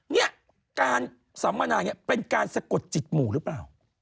เนี่ยการสัมมนาอย่างนี้เป็นการสะกดจิตหมู่หรือเปล่า